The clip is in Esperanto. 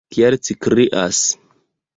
Kial ci krias?